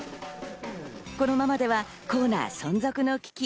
このままではコーナー存続の危機。